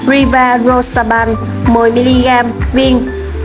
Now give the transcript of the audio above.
rivaroxaban một mươi mg viên